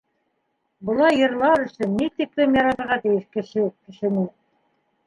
Былай йырлар өсөн ни тиклем яратырға тейеш кеше кешене...